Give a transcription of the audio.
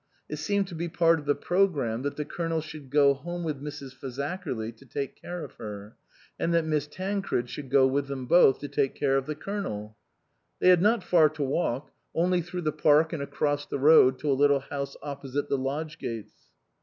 It seemed to be part of the programme that the Colonel should go home with Mrs. Fazakerly to take care of her, and that Miss Tancred should go with them both to take care of the Colonel. They had not far to walk; only through the park and across the road to a little house oppo site the lodge gates.